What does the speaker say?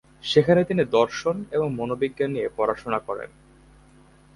সেখানে তিনি দর্শন এবং মনোবিজ্ঞান নিয়ে পড়াশোনা করেন।